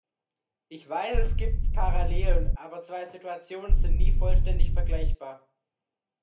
Ich weiß, es gibt Parallelen, aber zwei Situationen sind nie vollständig vergleichbar.